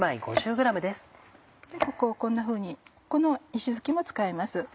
ここをこんなふうにこの石突きも使います。